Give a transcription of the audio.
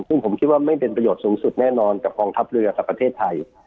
ซึ่งผมคิดว่าไม่เป็นประโยชน์สูงสุดแน่นอนกับกองทัพเรือกับประเทศไทย